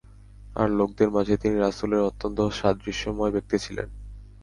আর লোকদের মাঝে তিনি রাসূলের অত্যন্ত সাদৃশ্যময় ব্যক্তি ছিলেন।